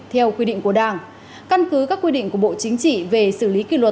theo quy định của đảng căn cứ các quy định của bộ chính trị về xử lý kỷ luật